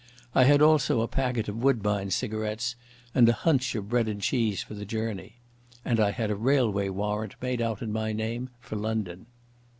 I had also a packet of Woodbine cigarettes and a hunch of bread and cheese for the journey. And I had a railway warrant made out in my name for London.